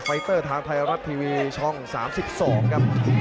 ไฟเตอร์ทางไทยรัฐทีวีช่อง๓๒ครับ